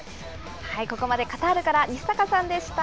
ここまでカタールから、西阪さんでした。